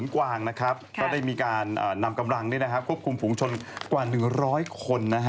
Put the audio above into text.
ก็มีการนำกำลังที่น่ะครับควบคุมผูกชนกว่า๑๐๐คนนะฮะ